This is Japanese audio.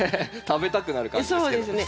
食べたくなる感じですけど。